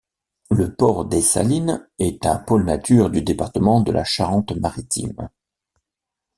Le port des salines est un pôle-nature du département de la Charente-Maritime.